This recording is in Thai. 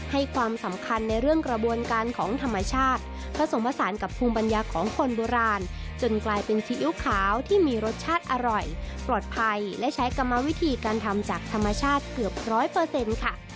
ให้ความสำคัญในเรื่องกระบวนการของธรรมชาติผสมผสานกับภูมิปัญญาของคนโบราณจนกลายเป็นซีอิ๊วขาวที่มีรสชาติอร่อยปลอดภัยและใช้กรรมวิธีการทำจากธรรมชาติเกือบร้อยเปอร์เซ็นต์ค่ะ